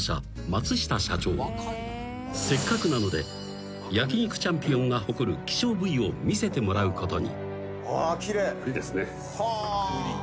［せっかくなので焼肉チャンピオンが誇る希少部位を見せてもらうことに］